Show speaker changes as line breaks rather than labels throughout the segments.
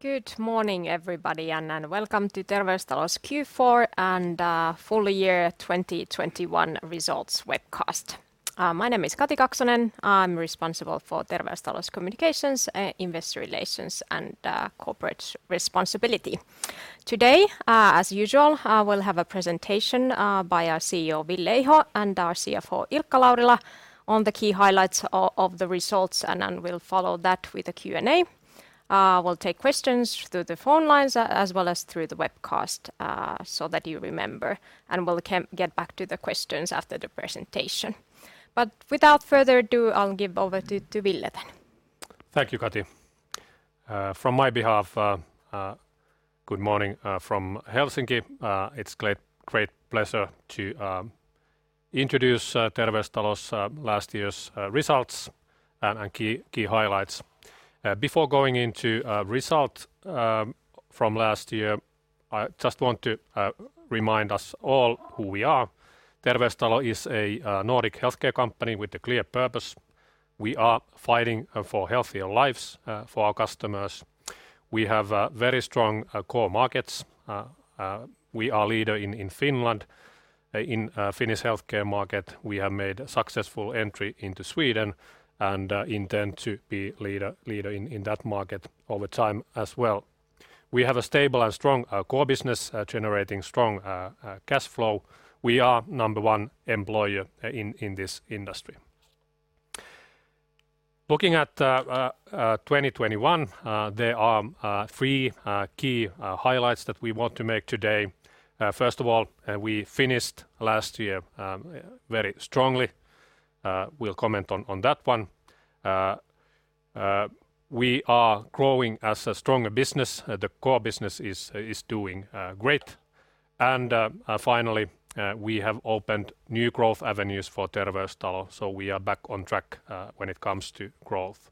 Good morning, everybody, welcome to Terveystalo's Q4 and full year 2021 results webcast. My name is Kati Kaksonen. I'm responsible for Terveystalo's communications, investor relations, and corporate responsibility. Today, as usual, we'll have a presentation by our CEO, Ville Iho, and our CFO, Ilkka Laurila, on the key highlights of the results, and then we'll follow that with a Q&A. We'll take questions through the phone lines as well as through the webcast, so that you remember, and we'll get back to the questions after the presentation. Without further ado, I'll give over to Ville.
Thank you, Kati. From my behalf, good morning from Helsinki. It's a great pleasure to introduce Terveystalo's last year's results and key highlights. Before going into results from last year, I just want to remind us all who we are. Terveystalo is a Nordic healthcare company with a clear purpose. We are fighting for healthier lives for our customers. We have very strong core markets. We are leader in Finland, in Finnish healthcare market. We have made a successful entry into Sweden and intend to be leader in that market over time as well. We have a stable and strong core business generating strong cash flow. We are number one employer in this industry. Looking at 2021, there are three key highlights that we want to make today. First of all, we finished last year very strongly. We'll comment on that one. We are growing as a stronger business. The core business is doing great, and finally, we have opened new growth avenues for Terveystalo, so we are back on track when it comes to growth.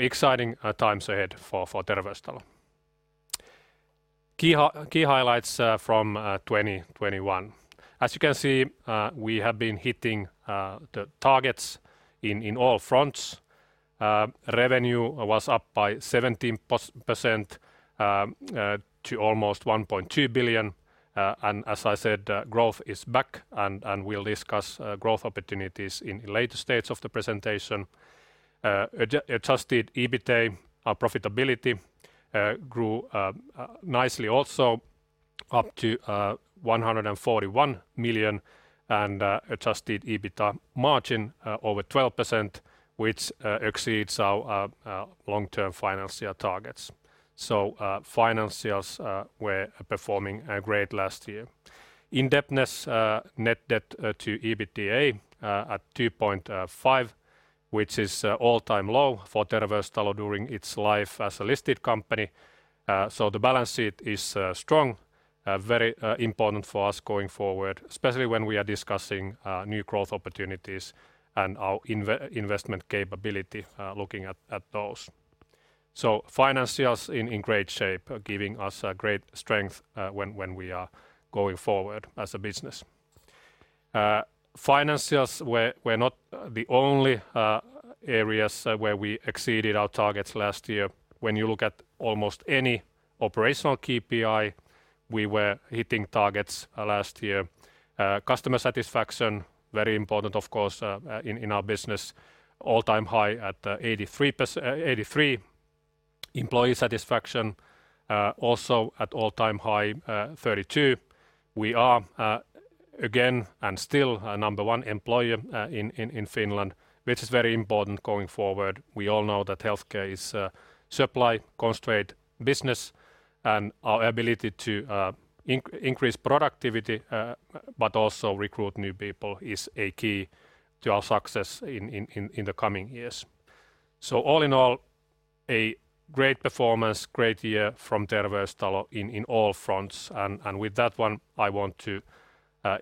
Exciting times ahead for Terveystalo. Key highlights from 2021. As you can see, we have been hitting the targets in all fronts. Revenue was up by 17% to almost 1.2 billion. As I said, growth is back, and we'll discuss growth opportunities in later stages of the presentation. Adjusted EBITA, our profitability, grew nicely also up to 141 million and adjusted EBITA margin over 12%, which exceeds our long-term financial targets. Financials were performing great last year. Indebtedness net debt to EBITDA at 2.5, which is all-time low for Terveystalo during its life as a listed company. The balance sheet is strong, very important for us going forward, especially when we are discussing new growth opportunities and our investment capability looking at those. Financials in great shape, giving us great strength when we are going forward as a business. Financials were not the only areas where we exceeded our targets last year. When you look at almost any operational KPI, we were hitting targets last year. Customer satisfaction, very important, of course, in our business, all-time high at 83. Employee satisfaction also at all-time high, 32. We are again and still a number one employer in Finland, which is very important going forward. We all know that healthcare is a supply-constrained business, and our ability to increase productivity but also recruit new people is a key to our success in the coming years. All in all, a great performance, great year from Terveystalo in all fronts, and with that one, I want to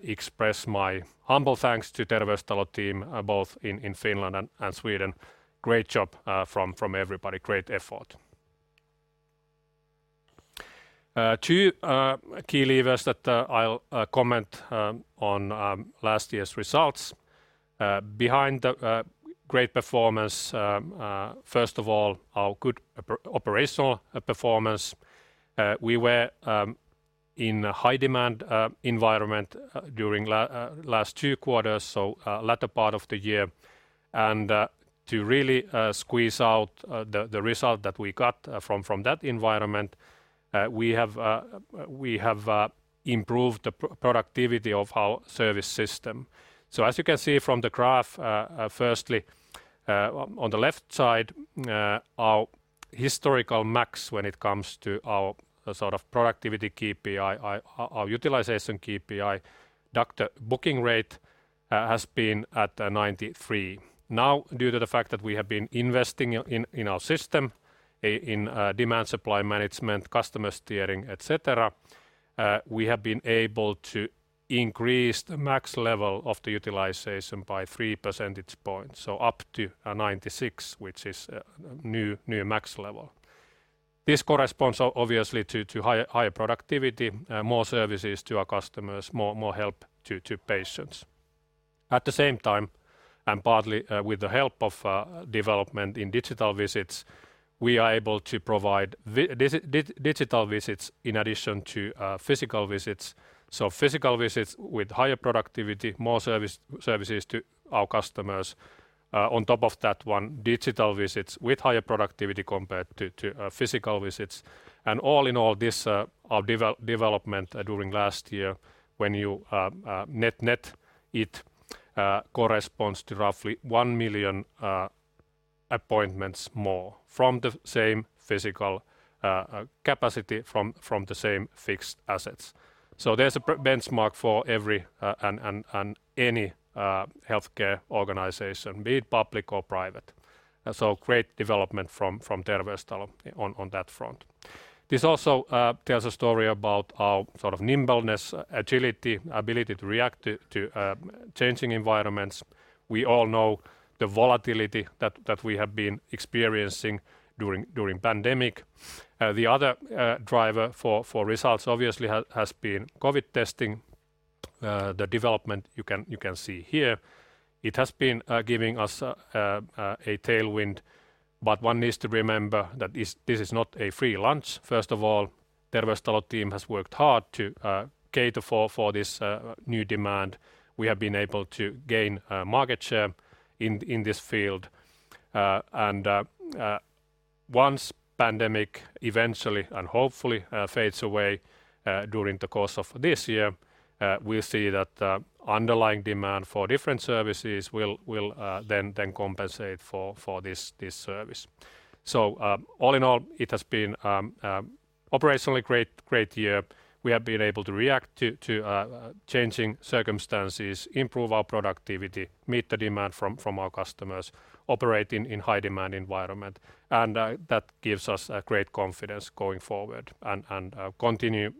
express my humble thanks to Terveystalo team, both in Finland and Sweden. Great job from everybody. Great effort. Two key levers that I'll comment on last year's results behind the great performance. First of all, our good operational performance. We were in a high-demand environment during last two quarters, so latter part of the year, and to really squeeze out the result that we got from that environment, we have improved the productivity of our service system. As you can see from the graph, firstly on the left side our historical max when it comes to our sort of productivity KPI, our utilization KPI, doctor booking rate has been at 93. Due to the fact that we have been investing in our system in demand supply management, customer steering, et cetera, we have been able to increase the max level of the utilization by three percentage points, so up to 96, which is a new max level. This corresponds obviously to higher productivity, more services to our customers, more help to patients. At the same time, and partly with the help of development in digital visits, we are able to provide digital visits in addition to physical visits. Physical visits with higher productivity, more services to our customers. On top of that one, digital visits with higher productivity compared to physical visits. All in all, our development during last year, when you net it corresponds to roughly 1 million appointments more from the same physical capacity, from the same fixed assets. There's a benchmark for every and any healthcare organization, be it public or private. Great development from Terveystalo on that front. This also tells a story about our sort of nimbleness, agility, ability to react to changing environments. We all know the volatility that we have been experiencing during pandemic. The other driver for results obviously has been COVID testing. The development you can see here, it has been giving us a tailwind, but one needs to remember that this is not a free lunch. First of all, Terveystalo team has worked hard to cater for this new demand. We have been able to gain market share in this field. Once pandemic eventually and hopefully fades away during the course of this year, we'll see that underlying demand for different services will then compensate for this service. All in all, it has been operationally great year. We have been able to react to changing circumstances, improve our productivity, meet the demand from our customers, operate in high demand environment, that gives us a great confidence going forward and continue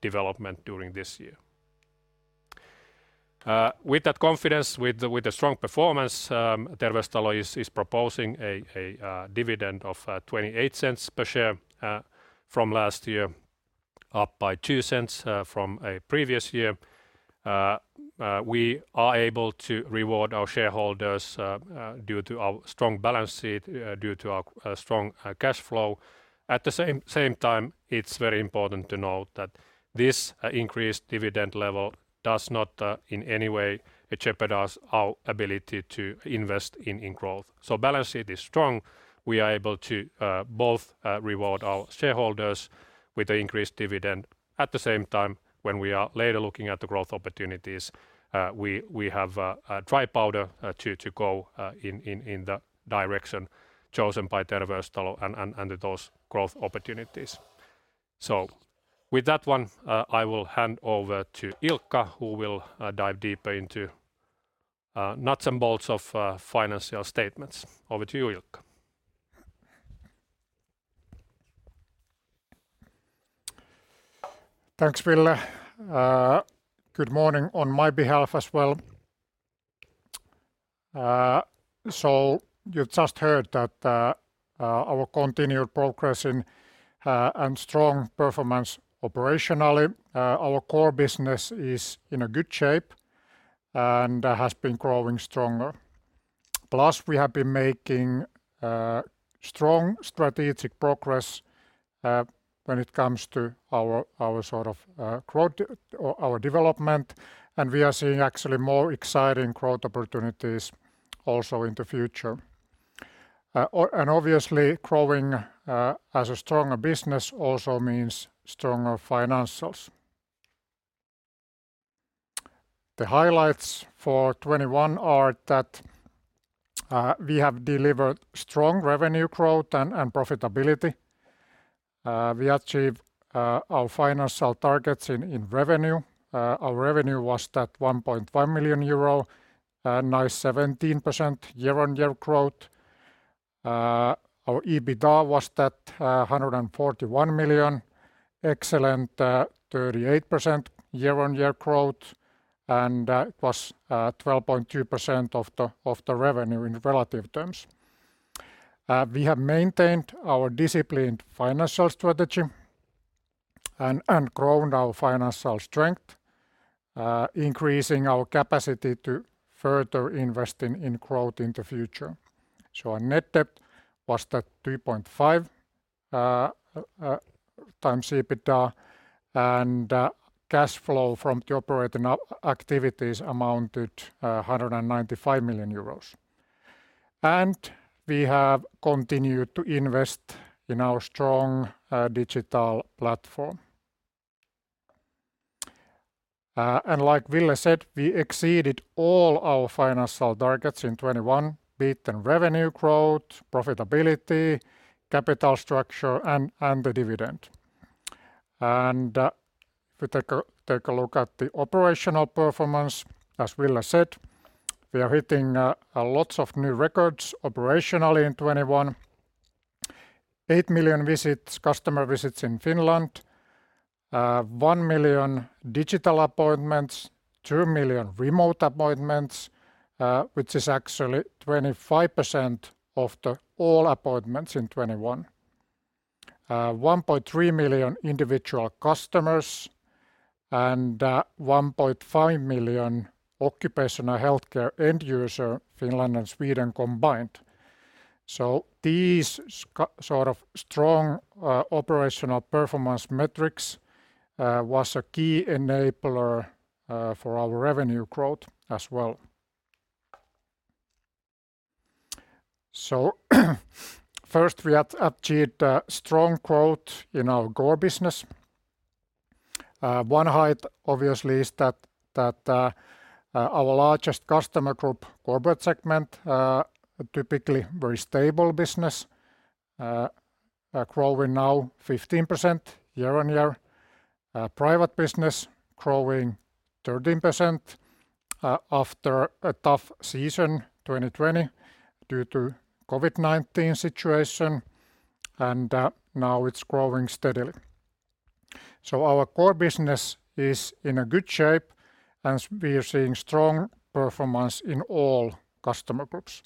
development during this year. With that confidence, with the strong performance, Terveystalo is proposing a dividend of 0.28 per share from last year, up by 0.02 from a previous year. We are able to reward our shareholders due to our strong balance sheet, due to our strong cash flow. At the same time, it's very important to note that this increased dividend level does not in any way jeopardize our ability to invest in growth. Balance sheet is strong. We are able to both reward our shareholders with the increased dividend. At the same time, when we are later looking at the growth opportunities we have dry powder to go in the direction chosen by Terveystalo and those growth opportunities. With that one I will hand over to Ilkka, who will dive deeper into nuts and bolts of financial statements. Over to you, Ilkka.
Thanks, Ville. Good morning on my behalf as well. You just heard that our continued progress and strong performance operationally our core business is in a good shape and has been growing stronger. Plus we have been making strong strategic progress when it comes to our development, and we are seeing actually more exciting growth opportunities also in the future. Obviously growing as a stronger business also means stronger financials. The highlights for 2021 are that we have delivered strong revenue growth and profitability. We achieved our financial targets in revenue. Our revenue was that 1.5 million euro, a nice 17% year-on-year growth. Our EBITA was that 141 million, excellent 38% year-on-year growth, and it was 12.2% of the revenue in relative terms. We have maintained our disciplined financial strategy and grown our financial strength, increasing our capacity to further invest in growth in the future. Our net debt was that 3.5x EBITDA and cash flow from the operating activities amounted 195 million euros. We have continued to invest in our strong digital platform. Like Ville said, we exceeded all our financial targets in 2021, be it in revenue growth, profitability, capital structure, and the dividend. If we take a look at the operational performance, as Ville said, we are hitting lots of new records operationally in 2021. 8 million customer visits in Finland, 1 million digital appointments, 2 million remote appointments, which is actually 25% of all appointments in 2021. 1.3 million individual customers and 1.5 million occupational healthcare end user, Finland and Sweden combined. These sort of strong operational performance metrics was a key enabler for our revenue growth as well. First we have achieved a strong growth in our core business. One highlight obviously is that our largest customer group, corporate segment, typically very stable business, growing now 15% year-on-year. Private business growing 13% after a tough season 2020 due to COVID-19 situation, and now it's growing steadily. Our core business is in a good shape and we are seeing strong performance in all customer groups.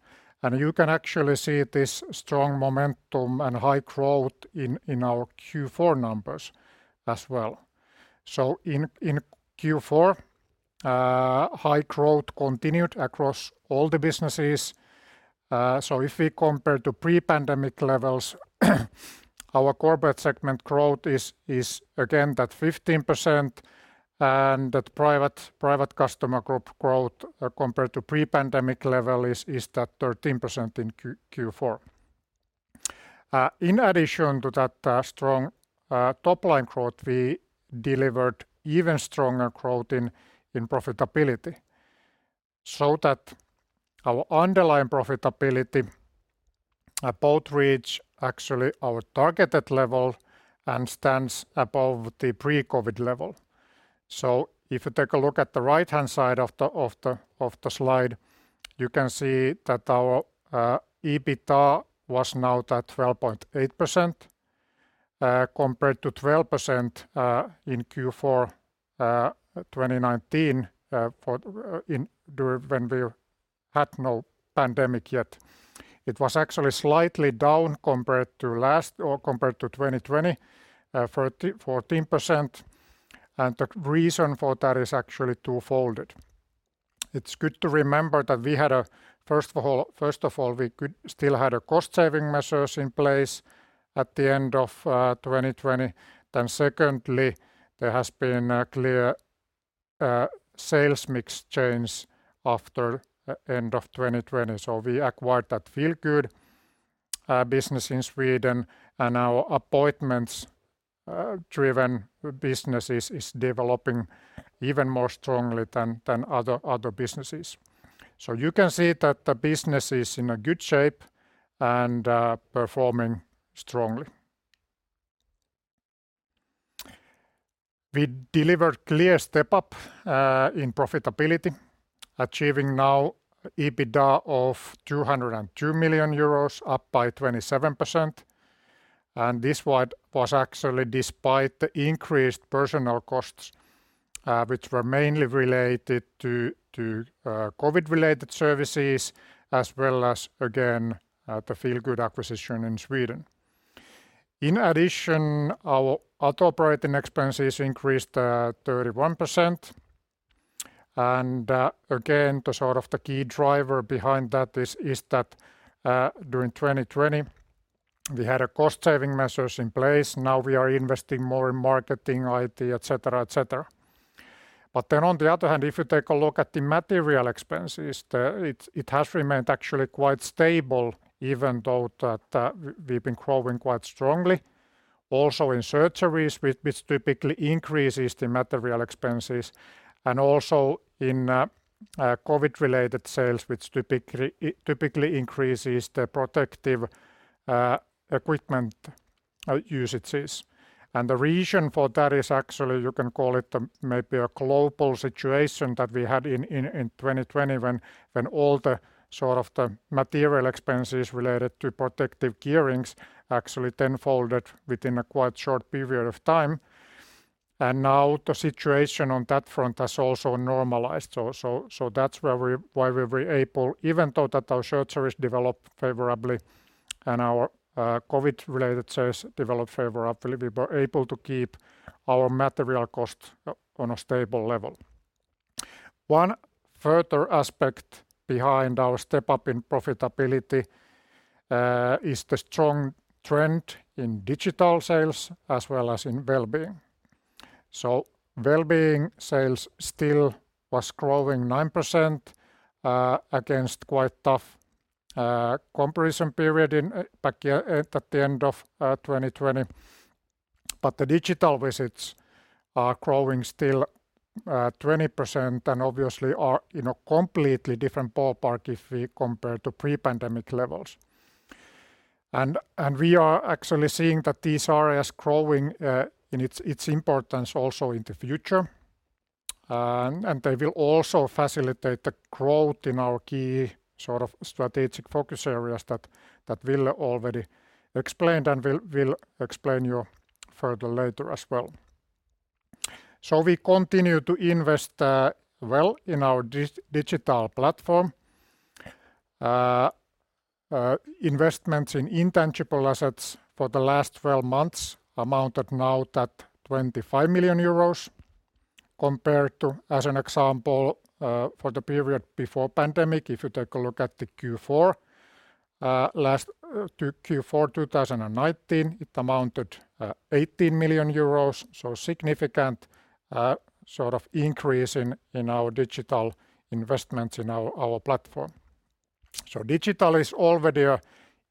You can actually see this strong momentum and high growth in our Q4 numbers as well. In Q4, high growth continued across all the businesses. If we compare to pre-pandemic levels, our corporate segment growth is again that 15%, and that private customer group growth compared to pre-pandemic level is at 13% in Q4. In addition to that strong top-line growth, we delivered even stronger growth in profitability, so that our underlying profitability both reach actually our targeted level and stands above the pre-COVID level. If you take a look at the right-hand side of the slide, you can see that our EBITDA was now at 12.8%, compared to 12% in Q4 2019, when we had no pandemic yet. It was actually slightly down compared to 2020, 14%, and the reason for that is actually two-folded. It's good to remember that, first of all, we still had cost-saving measures in place at the end of 2020. Secondly, there has been a clear sales mix change after end of 2020. We acquired that Feelgood business in Sweden, and our appointments-driven business is developing even more strongly than other businesses. You can see that the business is in a good shape and performing strongly. We delivered clear step-up in profitability, achieving now EBITDA of 202 million euros, up by 27%. This was actually despite the increased personnel costs, which were mainly related to COVID-related services as well as, again, the Feelgood acquisition in Sweden. In addition, our other operating expenses increased 31%, and again, the sort of the key driver behind that is that during 2020, we had cost-saving measures in place. Now we are investing more in marketing, IT, et cetera. On the other hand, if you take a look at the material expenses, it has remained actually quite stable even though we've been growing quite strongly. Also in surgeries, which typically increases the material expenses, and also in COVID-related sales, which typically increases the protective equipment usages. The reason for that is actually, you can call it maybe a global situation that we had in 2020 when all the sort of the material expenses related to protective gearings actually tenfolded within a quite short period of time. Now the situation on that front has also normalized. That's why we were able, even though that our surgeries developed favorably and our COVID-related sales developed favorably, we were able to keep our material cost on a stable level. One further aspect behind our step-up in profitability is the strong trend in digital sales as well as in well-being. Well-being sales still was growing 9% against quite tough comparison period at the end of 2020. The digital visits are growing still 20% and obviously are in a completely different ballpark if we compare to pre-pandemic levels. We are actually seeing that these are as growing in its importance also in the future. They will also facilitate the growth in our key sort of strategic focus areas that we'll explain you further later as well. We continue to invest well in our digital platform. Investments in intangible assets for the last 12 months amounted now that 25 million euros compared to, as an example, for the period before pandemic, if you take a look at the Q4 2019, it amounted 18 million euros. Significant increase in our digital investments in our platform. Digital is already an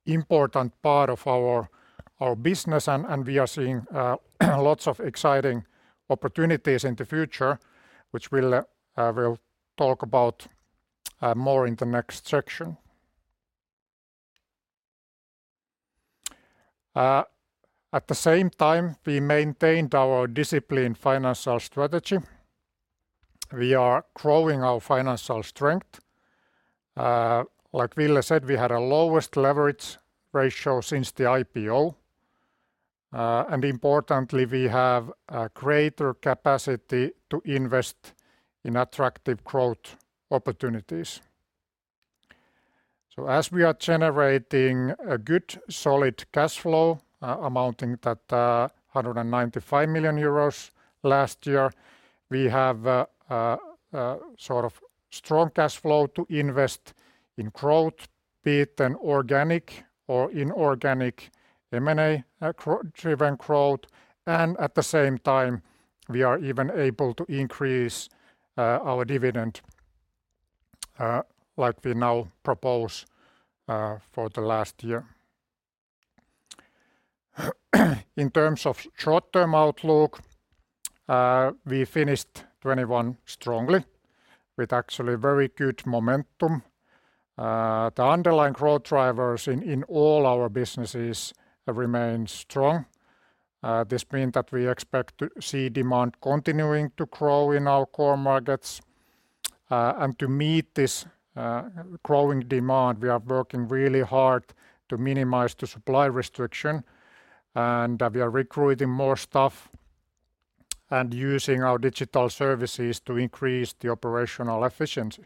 important part of our business, and we are seeing lots of exciting opportunities in the future, which we'll talk about more in the next section. At the same time, we maintained our discipline financial strategy. We are growing our financial strength. Ville said, we had our lowest leverage ratio since the IPO. Importantly, we have a greater capacity to invest in attractive growth opportunities. As we are generating a good, solid cash flow amounting 195 million euros last year, we have strong cash flow to invest in growth, be it an organic or inorganic M&A-driven growth. At the same time, we are even able to increase our dividend, like we now propose for the last year. In terms of short-term outlook, we finished 2021 strongly with actually very good momentum. The underlying growth drivers in all our businesses remain strong. This means that we expect to see demand continuing to grow in our core markets. To meet this growing demand, we are working really hard to minimize the supply restriction. We are recruiting more staff and using our digital services to increase the operational efficiency.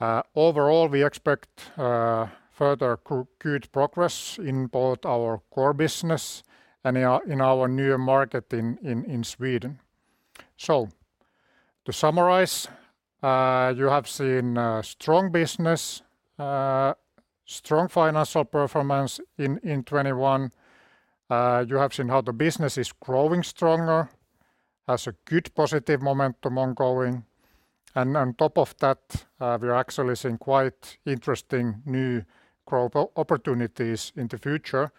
Overall, we expect further good progress in both our core business and in our new market in Sweden. To summarize, you have seen strong business, strong financial performance in 2021. You have seen how the business is growing stronger, has a good positive momentum ongoing. On top of that, we are actually seeing quite interesting new growth opportunities in the future.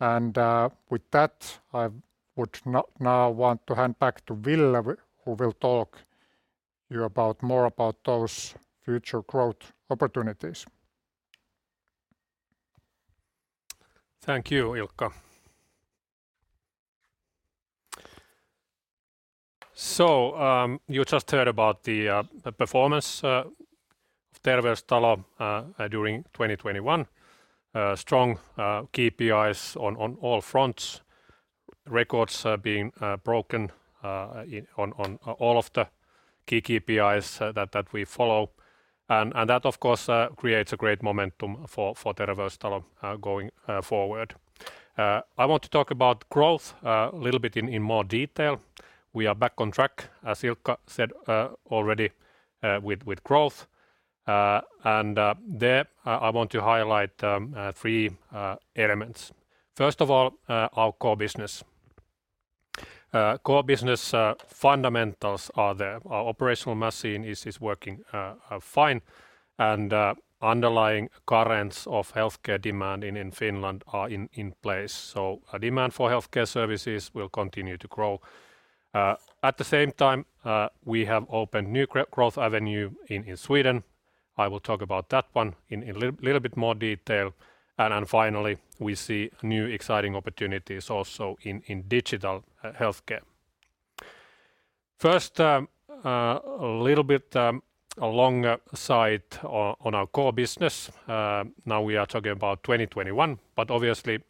With that, I would now want to hand back to Ville, who will talk you more about those future growth opportunities.
Thank you, Ilkka. You just heard about the performance of Terveystalo during 2021. Strong KPIs on all fronts, records being broken on all of the key KPIs that we follow. That of course, creates a great momentum for Terveystalo going forward. I want to talk about growth a little bit in more detail. We are back on track, as Ilkka said already with growth. There I want to highlight three elements. First of all, our core business. Core business fundamentals are there. Our operational machine is working fine. Underlying currents of healthcare demand in Finland are in place. A demand for healthcare services will continue to grow. At the same time, we have opened new growth avenue in Sweden. I will talk about that one in a little bit more detail. Finally, we see new exciting opportunities also in digital healthcare. First, a little bit alongside on our core business. We are talking about 2021, but obviously,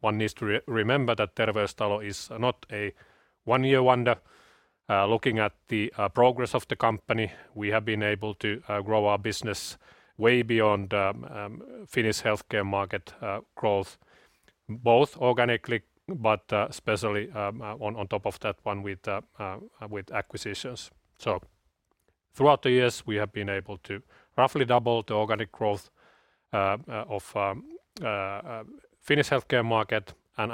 one needs to remember that Terveystalo is not a one-year wonder. Looking at the progress of the company, we have been able to grow our business way beyond Finnish healthcare market growth, both organically, but especially on top of that one with acquisitions. Throughout the years, we have been able to roughly double the organic growth of Finnish healthcare market and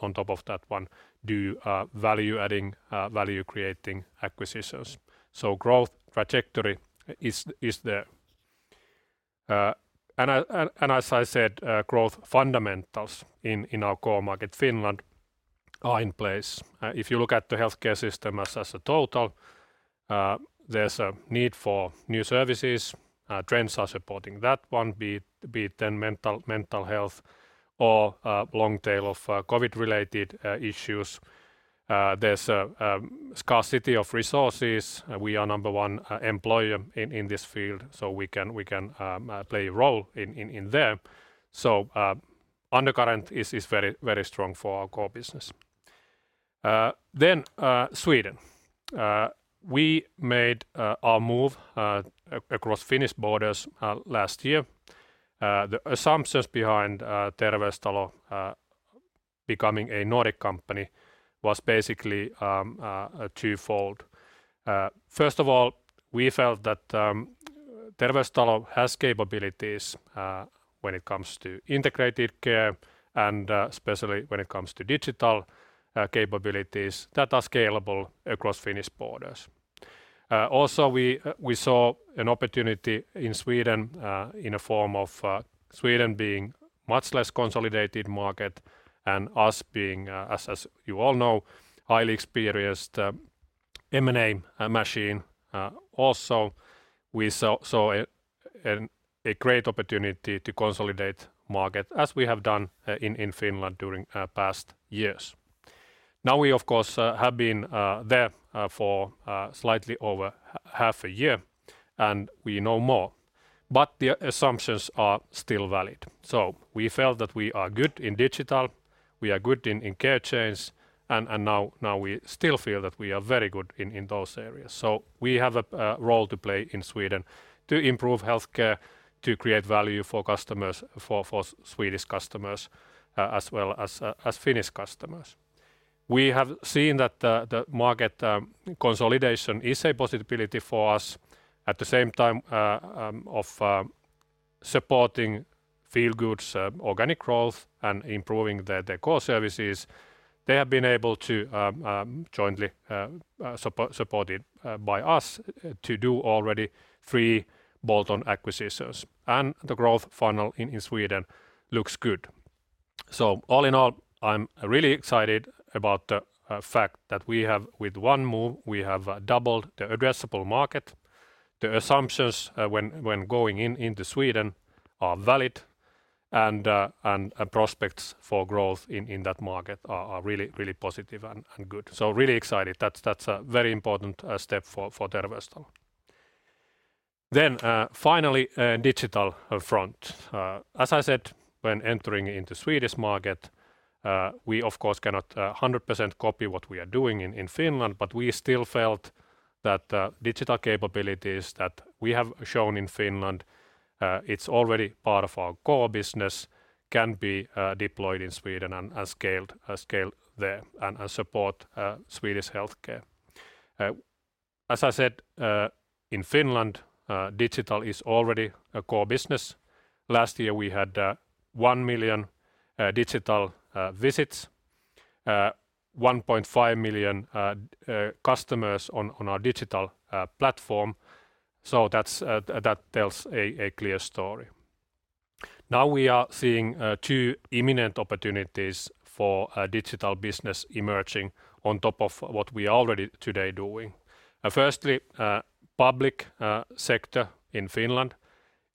on top of that one, do value adding, value creating acquisitions. Growth trajectory is there. As I said growth fundamentals in our core market, Finland are in place. If you look at the healthcare system as a total, there is a need for new services, trends are supporting that one, be it mental health or long tail of COVID-related issues. There is a scarcity of resources. We are number one employer in this field, so we can play a role in there. Undercurrent is very strong for our core business. Sweden. We made our move across Finnish borders last year. The assumptions behind Terveystalo becoming a Nordic company was basically twofold. First of all, we felt that Terveystalo has capabilities when it comes to integrated care and especially when it comes to digital capabilities that are scalable across Finnish borders. Also, we saw an opportunity in Sweden in a form of Sweden being much less consolidated market and us being, as you all know, highly experienced M&A machine. Also, we saw a great opportunity to consolidate market as we have done in Finland during past years. Now we, of course, have been there for slightly over half a year, and we know more, but the assumptions are still valid. We felt that we are good in digital, we are good in care chains, and now we still feel that we are very good in those areas. We have a role to play in Sweden to improve healthcare, to create value for Swedish customers as well as Finnish customers. We have seen that the market consolidation is a possibility for us. At the same time of supporting Feelgood's organic growth and improving their core services, they have been able to, jointly supported by us, to do already three bolt-on acquisitions, and the growth funnel in Sweden looks good. All in all, I'm really excited about the fact that with one move, we have doubled the addressable market. The assumptions when going into Sweden are valid and prospects for growth in that market are really positive and good. Really excited. That's a very important step for Terveystalo. Finally, digital front. As I said, when entering into Swedish market, we of course cannot 100% copy what we are doing in Finland, but we still felt that digital capabilities that we have shown in Finland, it's already part of our core business, can be deployed in Sweden and scaled there and support Swedish healthcare. As I said, in Finland, digital is already a core business. Last year, we had 1 million digital visits, 1.5 million customers on our digital platform. That tells a clear story. Now we are seeing two imminent opportunities for digital business emerging on top of what we are already today doing. Firstly, public sector in Finland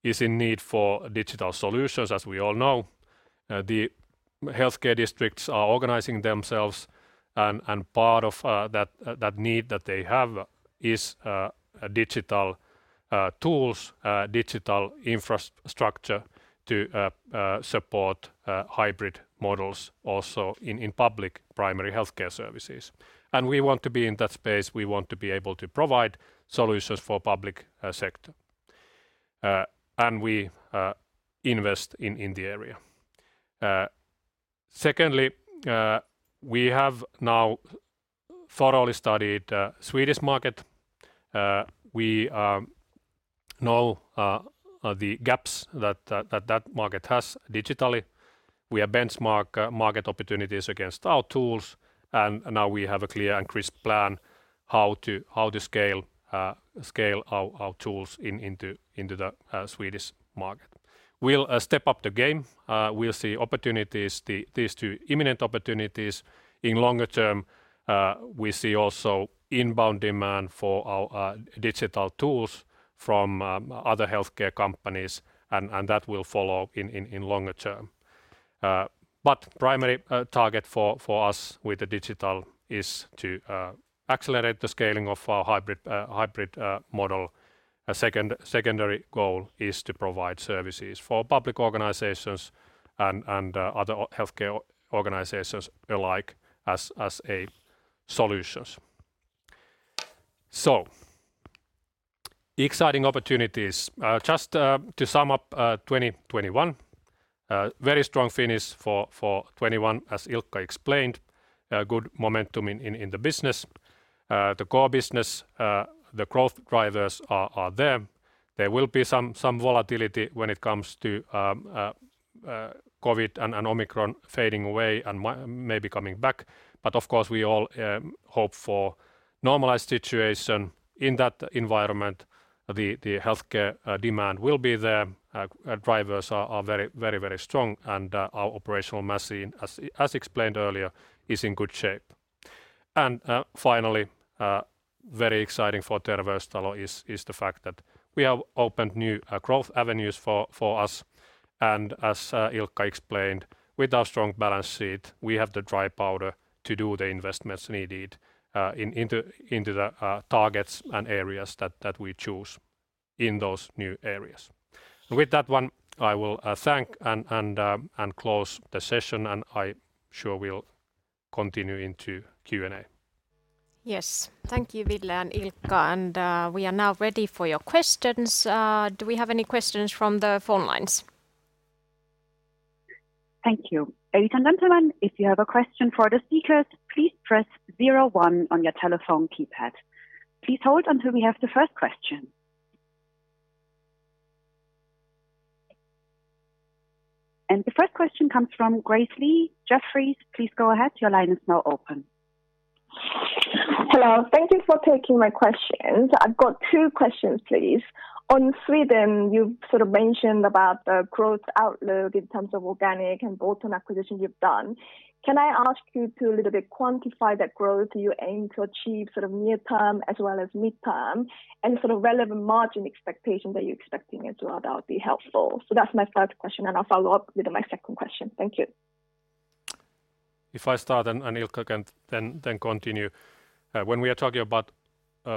is in need for digital solutions, as we all know. The healthcare districts are organizing themselves, and part of that need that they have is digital tools, digital infrastructure to support hybrid models also in public primary healthcare services. We want to be in that space. We want to be able to provide solutions for public sector, and we invest in the area. Secondly, we have now thoroughly studied Swedish market. We know the gaps that that market has digitally. We have benchmarked market opportunities against our tools, and now we have a clear and crisp plan how to scale our tools into the Swedish market. We'll step up the game. We'll see these two imminent opportunities. In longer term, we see also inbound demand for our digital tools from other healthcare companies, and that will follow in longer term. Primary target for us with the digital is to accelerate the scaling of our hybrid model. A secondary goal is to provide services for public organizations and other healthcare organizations alike as solutions. Exciting opportunities. Just to sum up 2021, very strong finish for 2021, as Ilkka explained. Good momentum in the business. The core business, the growth drivers are there. There will be some volatility when it comes to COVID and Omicron fading away and maybe coming back. Of course, we all hope for normalized situation in that environment. The healthcare demand will be there. Drivers are very strong, and our operational machine, as explained earlier, is in good shape. Finally, very exciting for Terveystalo is the fact that we have opened new growth avenues for us. As Ilkka explained, with our strong balance sheet, we have the dry powder to do the investments needed into the targets and areas that we choose. in those new areas. With that one, I will thank and close the session, and I'm sure we'll continue into Q&A.
Yes. Thank you, Ville and Ilkka, and we are now ready for your questions. Do we have any questions from the phone lines?
Thank you. Ladies and gentlemen, if you have a question for the speakers, please press 01 on your telephone keypad. Please hold until we have the first question. The first question comes from Grace Li Jefferies. Please go ahead. Your line is now open.
Hello. Thank you for taking my questions. I've got two questions, please. On Sweden, you sort of mentioned about the growth outlook in terms of organic and bolt-on acquisitions you've done. Can I ask you to a little bit quantify that growth you aim to achieve sort of near term as well as midterm and sort of relevant margin expectations that you're expecting it to add up be helpful? That's my first question, and I'll follow up with my second question. Thank you.
If I start and Ilkka can then continue. When we are talking about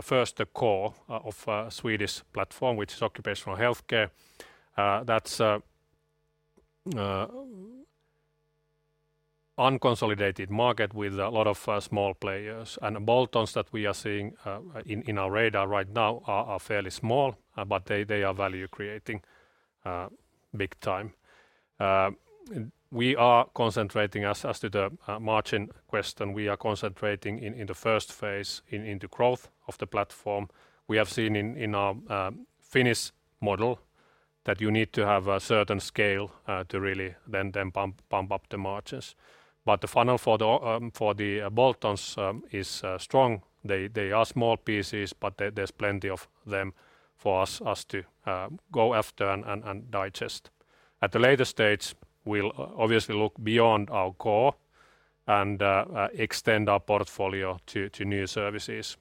first the core of Swedish platform, which is occupational healthcare, that's unconsolidated market with a lot of small players. The bolt-ons that we are seeing in our radar right now are fairly small, but they are value-creating big time. We are concentrating as to the margin question, we are concentrating in the first phase into growth of the platform. We have seen in our Finnish model that you need to have a certain scale to really then pump up the margins. The funnel for the bolt-ons is strong. They are small pieces, but there's plenty of them for us to go after and digest. At the later stage, we'll obviously look beyond our core and extend our portfolio to new services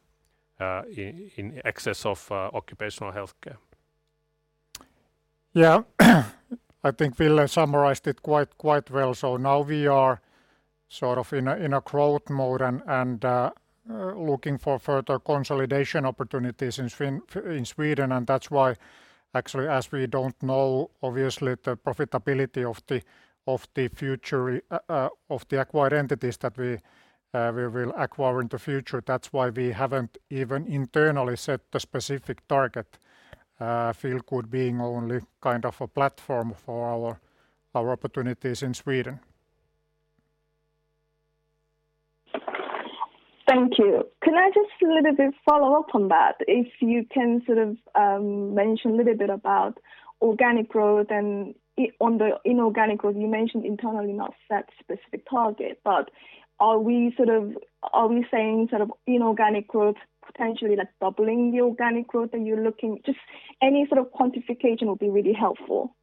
in excess of occupational healthcare.
Yeah. I think Ville summarized it quite well. Now we are sort of in a growth mode and looking for further consolidation opportunities in Sweden, and that's why actually as we don't know, obviously, the profitability of the acquired entities that we will acquire in the future. That's why we haven't even internally set the specific target. Feelgood being only kind of a platform for our opportunities in Sweden.
Thank you. Can I just a little bit follow up on that? If you can sort of mention a little bit about organic growth and on the inorganic growth, you mentioned internally not set specific target, are we saying sort of inorganic growth potentially like doubling the organic growth that you're looking? Just any sort of quantification will be really helpful.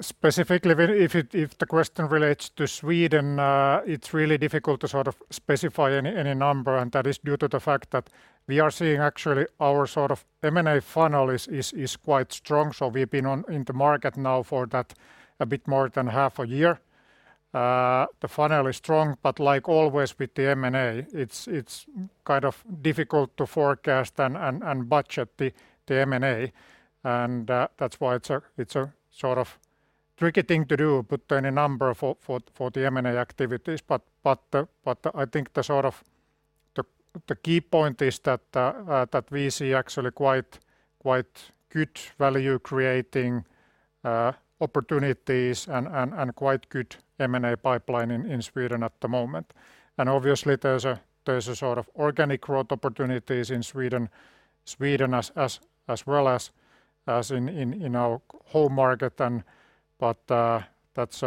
Specifically, if the question relates to Sweden, it's really difficult to sort of specify any number, and that is due to the fact that we are seeing actually our sort of M&A funnel is quite strong. We've been in the market now for that a bit more than half a year. The funnel is strong, but like always with the M&A, it's kind of difficult to forecast and budget the M&A, and that's why it's a sort of tricky thing to do, put any number for the M&A activities. I think the sort of the key point is that we see actually quite good value-creating opportunities and quite good M&A pipeline in Sweden at the moment. Obviously, there's a sort of organic growth opportunities in Sweden as well as in our home market than, but that's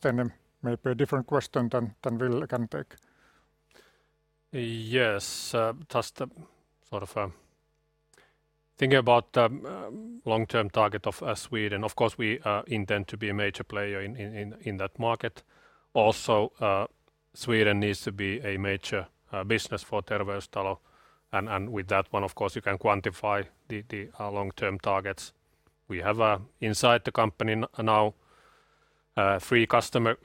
then maybe a different question than Ville can take.
Yes. Just sort of thinking about long-term target of Sweden. Of course, we intend to be a major player in that market. Also, Sweden needs to be a major business for Terveystalo, and with that one, of course, you can quantify the long-term targets. We have inside the company now three customer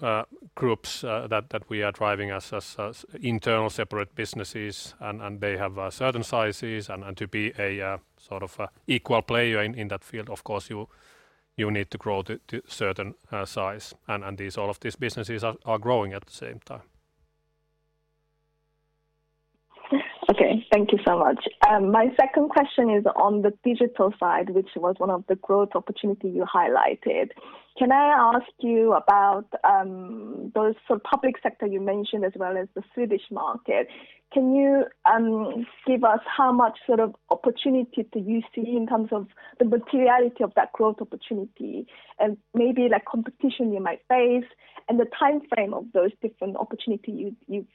groups that we are driving as internal separate businesses, and they have certain sizes, and to be a sort of equal player in that field, of course, you need to grow to certain size. All of these businesses are growing at the same time.
Okay. Thank you so much. My second question is on the digital side, which was one of the growth opportunity you highlighted. Can I ask you about those sort of public sector you mentioned as well as the Swedish market? Can you give us how much sort of opportunity do you see in terms of the materiality of that growth opportunity and maybe like competition you might face and the timeframe of those different opportunity you've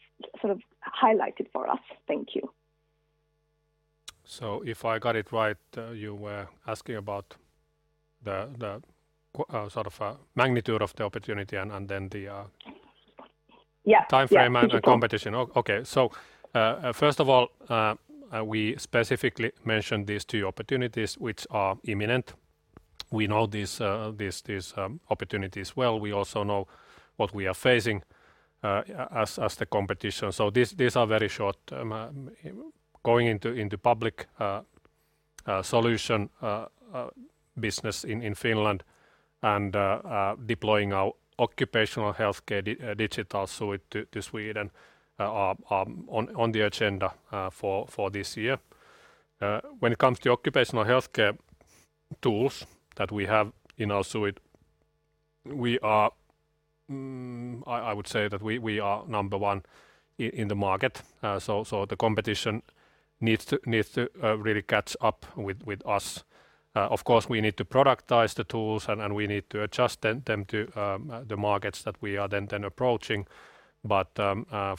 sort of highlighted for us? Thank you.
If I got it right, you were asking about the sort of magnitude of the opportunity and then the.
Yeah
timeframe and the competition. Okay. First of all, we specifically mentioned these two opportunities, which are imminent. We know these opportunities well. We also know what we are facing as the competition. These are very short term. Going into public solution business in Finland and deploying our occupational healthcare digital suite to Sweden are on the agenda for this year. When it comes to occupational healthcare tools that we have in our suite, I would say that we are number one in the market, so the competition needs to really catch up with us. Of course, we need to productize the tools, and we need to adjust them to the markets that we are then approaching.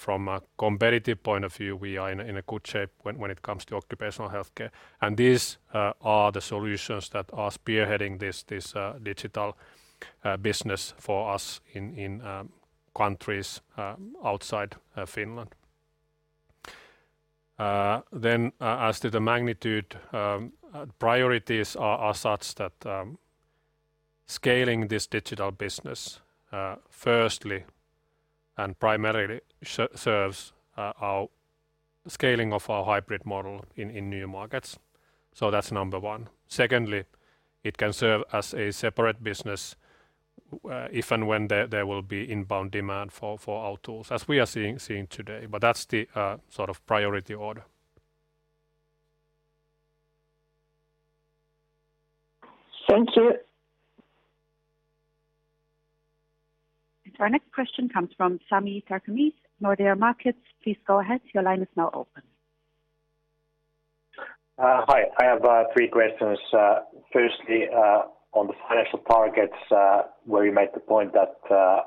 From a competitive point of view, we are in a good shape when it comes to occupational healthcare, and these are the solutions that are spearheading this digital business for us in countries outside Finland. As to the magnitude, priorities are such that scaling this digital business firstly and primarily serves our scaling of our hybrid model in new markets. That's number one. Secondly, it can serve as a separate business if and when there will be inbound demand for our tools, as we are seeing today. That's the sort of priority order.
Thank you.
Our next question comes from Sami Tarkkamies, Nordea Markets. Please go ahead. Your line is now open.
Hi, I have three questions. Firstly, on the financial targets where you made the point that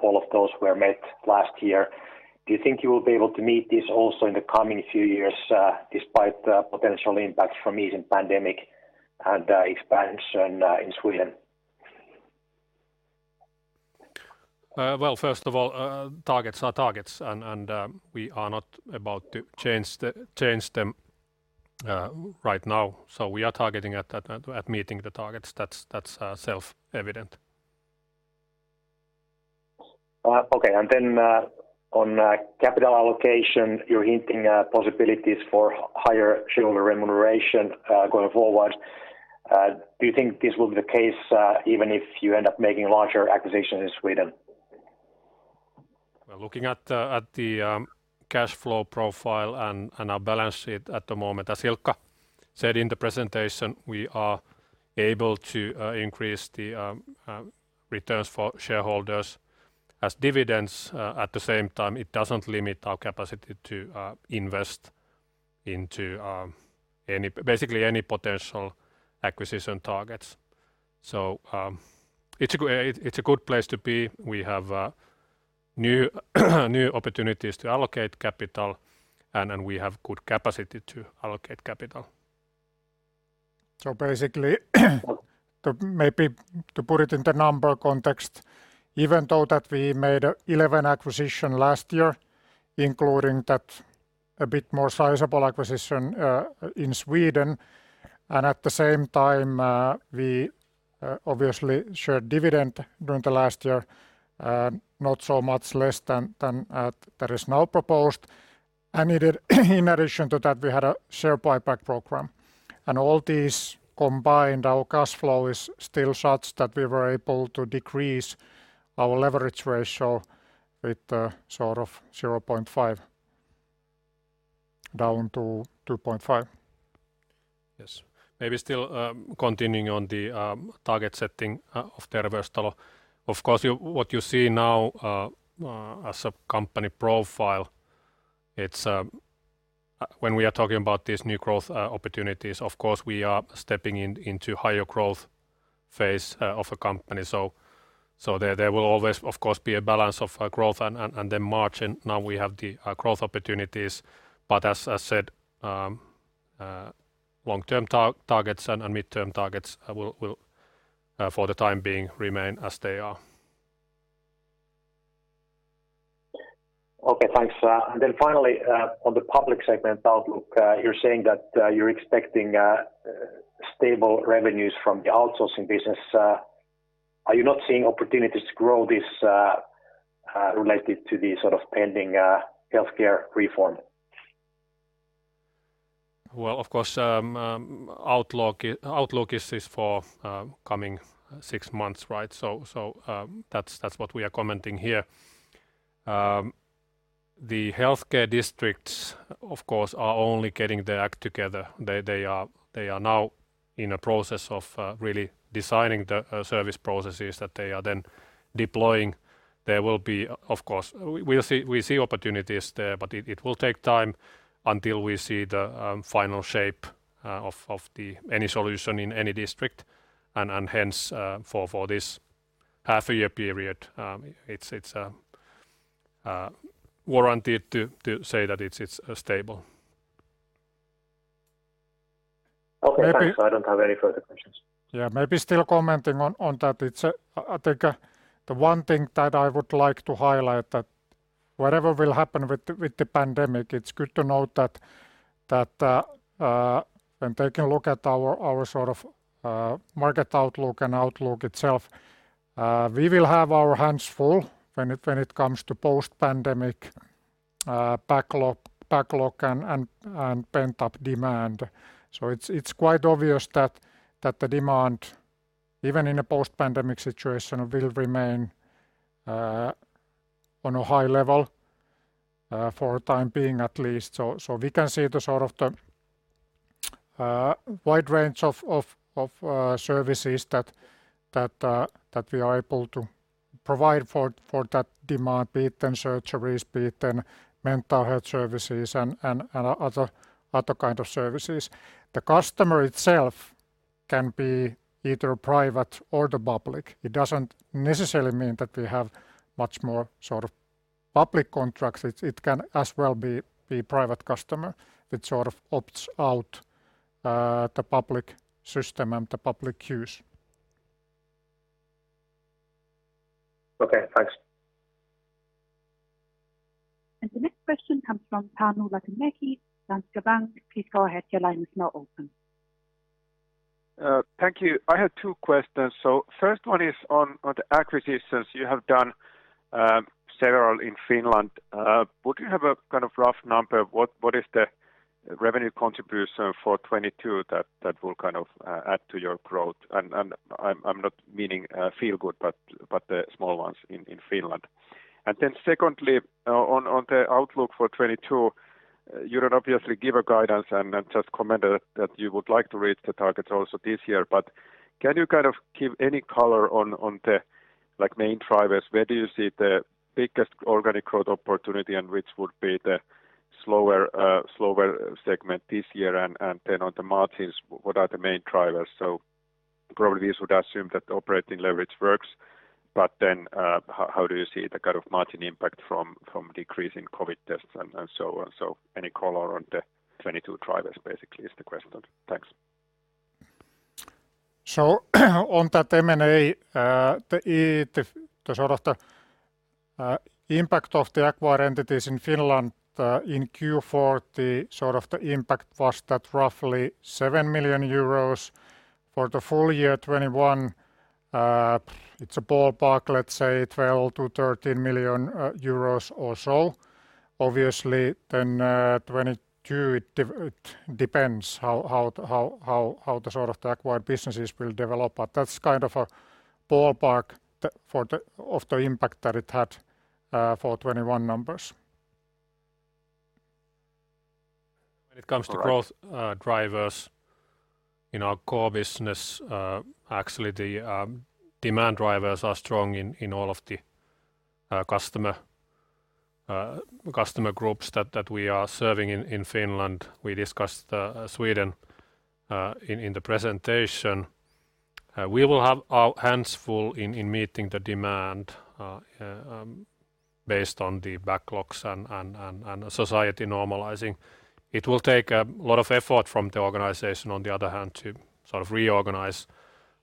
all of those were met last year. Do you think you will be able to meet this also in the coming few years despite the potential impact from easing pandemic and expansion in Sweden?
First of all, targets are targets, and we are not about to change them right now. We are targeting at meeting the targets. That's self-evident.
On capital allocation, you're hinting at possibilities for higher shareholder remuneration going forward. Do you think this will be the case even if you end up making larger acquisitions in Sweden?
Looking at the cash flow profile and our balance sheet at the moment, as Ilkka said in the presentation, we are able to increase the returns for shareholders as dividends. At the same time, it doesn't limit our capacity to invest into basically any potential acquisition targets. It's a good place to be. We have new opportunities to allocate capital, and we have good capacity to allocate capital.
Basically, maybe to put it in the number context, even though that we made 11 acquisitions last year, including that a bit more sizable acquisition in Sweden, at the same time, we obviously shared dividend during the last year, not so much less than that is now proposed. In addition to that, we had a share buyback program. All these combined, our cash flow is still such that we were able to decrease our leverage ratio with sort of 0.5 down to 2.5.
Yes. Maybe still continuing on the target setting of Terveystalo. What you see now as a company profile, when we are talking about these new growth opportunities, of course, we are stepping into higher growth phase of a company. There will always, of course, be a balance of growth and then margin. We have the growth opportunities, but as I said, long-term targets and midterm targets will, for the time being, remain as they are.
Okay, thanks. Finally, on the public segment outlook, you're saying that you're expecting stable revenues from the outsourcing business. Are you not seeing opportunities to grow this related to the sort of pending healthcare reform?
Well, of course, outlook is for coming six months, right? That's what we are commenting here. The healthcare districts, of course, are only getting their act together. They are now in a process of really designing the service processes that they are then deploying. We see opportunities there, but it will take time until we see the final shape of any solution in any district, and hence for this half a year period, it's warranted to say that it's stable.
Okay, thanks. I don't have any further questions.
Yeah, maybe still commenting on that. I think the one thing that I would like to highlight that Whatever will happen with the pandemic, it's good to note that when taking a look at our market outlook and outlook itself, we will have our hands full when it comes to post-pandemic backlog and pent-up demand. It's quite obvious that the demand, even in a post-pandemic situation, will remain on a high level for the time being, at least. We can see the sort of wide range of services that we are able to provide for that demand, be it then surgeries, be it then mental health services and other kind of services. The customer itself can be either private or the public. It doesn't necessarily mean that we have much more public contracts. It can as well be private customer that sort of opts out the public system and the public use.
Okay, thanks.
The next question comes from Panu Lonttila, Danske Bank. Please go ahead. Your line is now open.
Thank you. I have two questions. First one is on the acquisitions you have done several in Finland. Would you have a kind of rough number? What is the revenue contribution for 2022 that will kind of add to your growth? I am not meaning Feelgood, but the small ones in Finland. Secondly, on the outlook for 2022, you don't obviously give a guidance and just commented that you would like to reach the targets also this year, but can you kind of give any color on the main drivers? Where do you see the biggest organic growth opportunity and which would be the slower segment this year? On the margins, what are the main drivers? Probably we should assume that operating leverage works, how do you see the kind of margin impact from decreasing COVID tests and so on? Any color on the 2022 drivers basically is the question. Thanks.
On that M&A, the sort of the impact of the acquired entities in Finland in Q4, the impact was that roughly 7 million euros. For the full year 2021, it's a ballpark, let's say 12 million to 13 million euros or so. Obviously 2022, it depends how the sort of the acquired businesses will develop, but that's kind of a ballpark of the impact that it had for 2021 numbers.
All right.
When it comes to growth drivers in our core business, actually the demand drivers are strong in all of the customer groups that we are serving in Finland. We discussed Sweden in the presentation. We will have our hands full in meeting the demand based on the backlogs and society normalizing. It will take a lot of effort from the organization on the other hand to sort of reorganize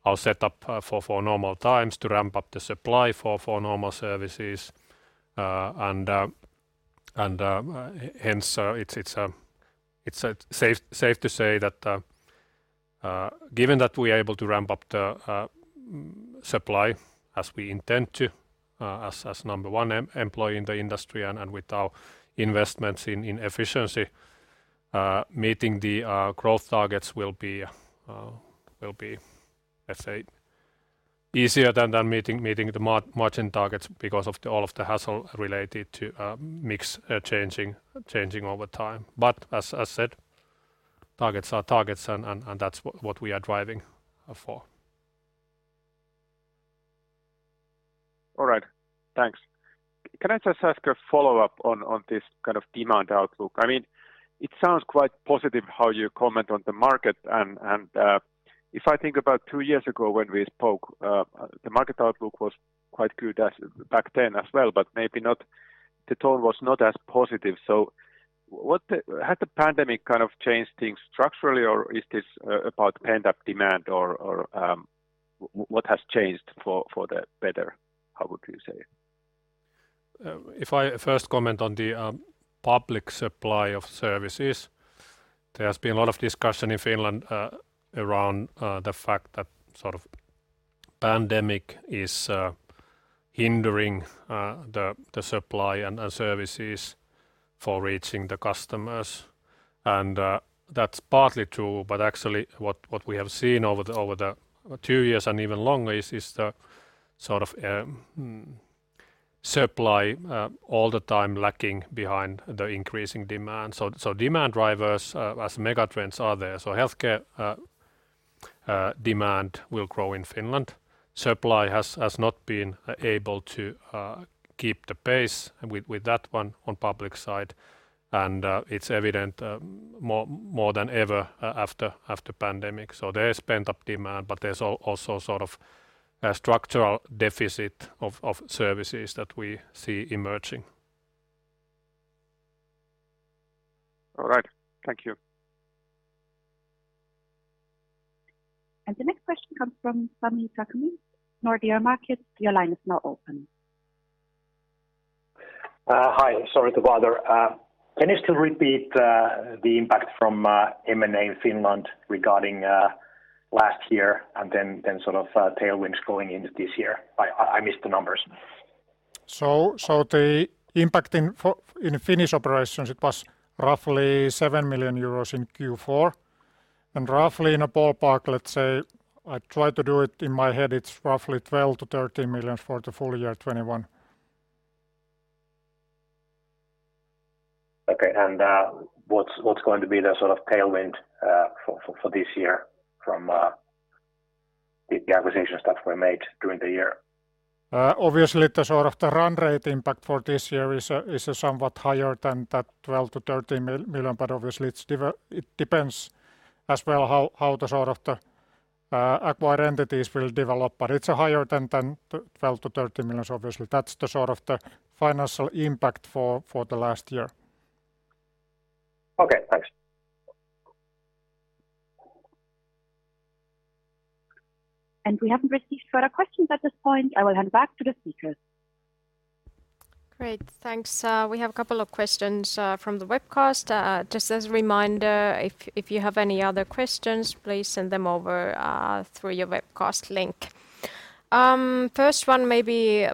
our setup for normal times to ramp up the supply for normal services. Hence it's safe to say that given that we are able to ramp up the supply as we intend to as number one employer in the industry and with our investments in efficiency, meeting the growth targets will be, let's say, easier than meeting the margin targets because of all of the hassle related to mix changing over time. As I said, targets are targets and that's what we are driving for.
All right. Thanks. Can I just ask a follow-up on this kind of demand outlook? It sounds quite positive how you comment on the market and if I think about two years ago when we spoke, the market outlook was quite good back then as well, but maybe the tone was not as positive. Had the pandemic kind of changed things structurally or is this about pent-up demand or what has changed for the better, how would you say?
If I first comment on the public supply of services, there has been a lot of discussion in Finland around the fact that sort of pandemic is hindering the supply and services for reaching the customers. That's partly true, but actually what we have seen over the two years and even longer is the sort of supply all the time lacking behind the increasing demand. Demand drivers as mega trends are there. Healthcare demand will grow in Finland. Supply has not been able to keep the pace with that one on public side and it's evident more than ever after pandemic. There is pent-up demand, but there's also sort of a structural deficit of services that we see emerging.
All right. Thank you.
The next question comes from Sami Tarkkamies, Nordea Markets. Your line is now open.
Hi. Sorry to bother. Can you still repeat the impact from M&A in Finland regarding last year and then tailwinds going into this year? I missed the numbers.
The impact in Finnish operations, it was roughly 7 million euros in Q4 and roughly in a ballpark, let's say, I tried to do it in my head, it is roughly 12 million-13 million for the full year 2021.
Okay. What's going to be the sort of tailwind for this year from the acquisitions that were made during the year?
The sort of the run rate impact for this year is somewhat higher than that 12 million-13 million, obviously it depends as well how the sort of the acquired entities will develop, it is higher than 12 million-13 million, obviously. That's the sort of the financial impact for the last year.
Okay, thanks.
We haven't received further questions at this point. I will hand back to the speakers.
Great, thanks. We have a couple of questions from the webcast. Just as a reminder, if you have any other questions, please send them over through your webcast link. First one may be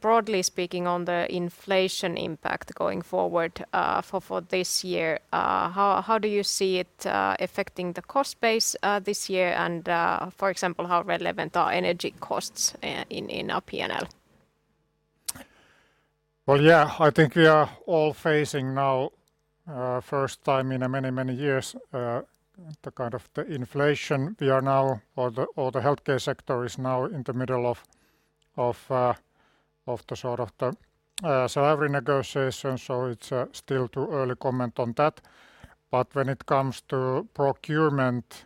broadly speaking on the inflation impact going forward for this year. How do you see it affecting the cost base this year? For example, how relevant are energy costs in our P&L?
Well, yeah, I think we are all facing now first time in many, many years the kind of the inflation we are now or the healthcare sector is now in the middle of the sort of the salary negotiation, so it's still too early comment on that. When it comes to procurement,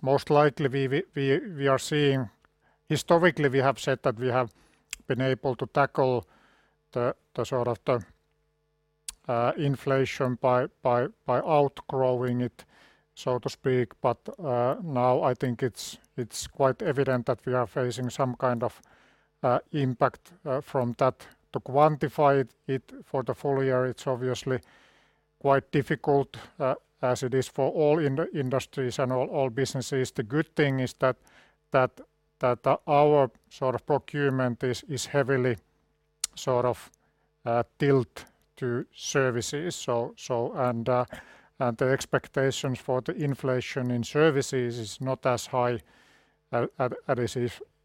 most likely we are seeing. Historically, we have said that we have been able to tackle the sort of the inflation by outgrowing it, so to speak. Now I think it's quite evident that we are facing some kind of impact from that. To quantify it for the full year, it's obviously quite difficult as it is for all industries and all businesses. The good thing is that our sort of procurement is heavily sort of tilt to services, and the expectations for the inflation in services is not as high as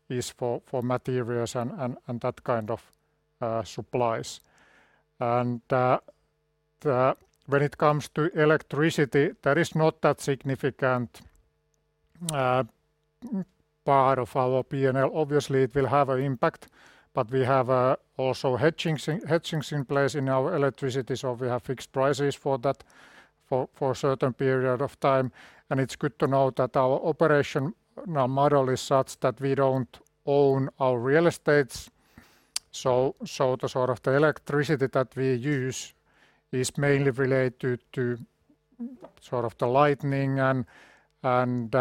is for materials and that kind of supplies. When it comes to electricity, that is not that significant part of our P&L. Obviously, it will have an impact, but we have also hedgings in place in our electricity, so we have fixed prices for that for a certain period of time. It's good to know that our operational model is such that we don't own our real estates. The sort of the electricity that we use is mainly related to sort of the lighting and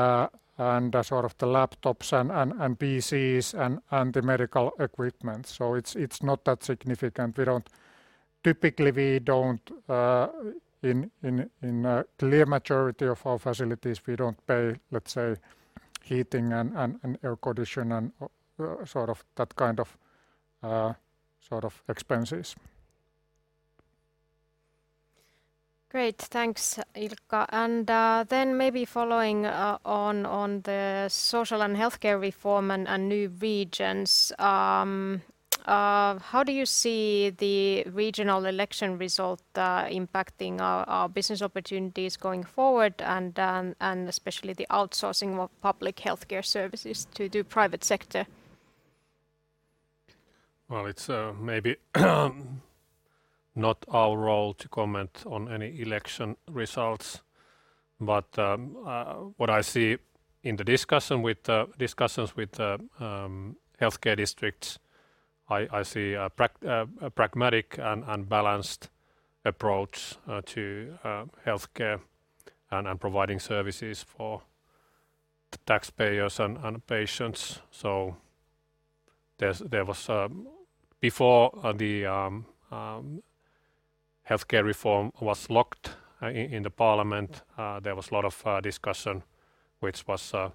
the sort of the laptops and PCs and the medical equipment. It's not that significant. Typically, we don't in clear majority of our facilities, we don't pay, let's say, heating and air condition and sort of that kind of expenses.
Great. Thanks, Ilkka. Then maybe following on the social and healthcare reform and new regions, how do you see the regional election result impacting our business opportunities going forward and especially the outsourcing of public healthcare services to the private sector?
Well, it's maybe not our role to comment on any election results, what I see in the discussions with healthcare districts, I see a pragmatic and balanced approach to healthcare and providing services for the taxpayers and patients. There was before the healthcare reform was locked in the parliament, there was a lot of discussion, which was a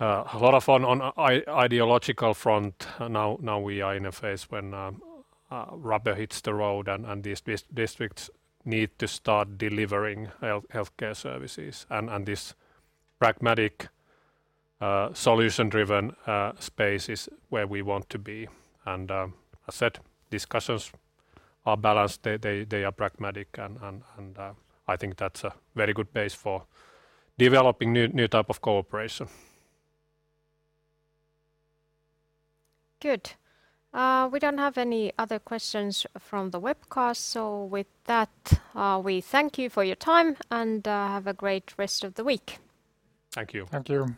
lot of on ideological front. Now we are in a phase when rubber hits the road and these districts need to start delivering healthcare services, this pragmatic solution-driven space is where we want to be. As said, discussions are balanced. They are pragmatic, and I think that's a very good base for developing new type of cooperation.
Good. We don't have any other questions from the webcast, with that, we thank you for your time, have a great rest of the week.
Thank you.
Thank you.